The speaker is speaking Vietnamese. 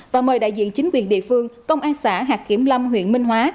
và mời đại diện chính quyền địa phương công an xã hạt kiểm lâm huyện minh hóa